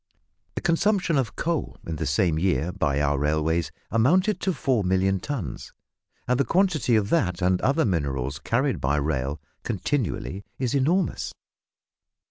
The consumption of coal, in the same year, by our railways amounted to four million tons, and the quantity of that and other minerals carried by rail continually is enormous.